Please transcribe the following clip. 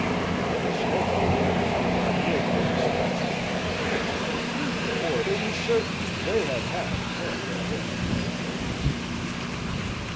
Let us hope the ladies did not wait for this last replenishment of liquor, for it is certain they had had plenty already during the evening.